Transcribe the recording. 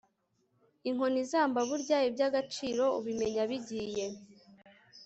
inkoni izambaza burya iby'agaciro ubimenya bigiye